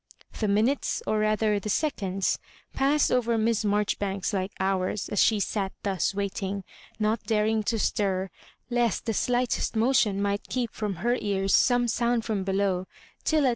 The minutes, or rather the seconds, passed over Miss Mar joribanks like hours, as she sat thus waiting, QOt daring to stir, lest the slightest motion mi^ht keep from her ears some sound from below, iSl at